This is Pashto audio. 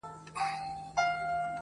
هم په رنگ هم په اخلاق وو داسي ښکلی-